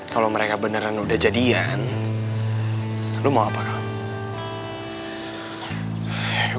kalau mereka beneran udah jadian lu mau apa kau